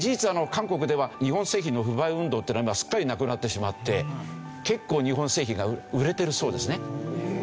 韓国では日本製品の不買運動っていうのは今すっかりなくなってしまって結構日本製品が売れてるそうですね。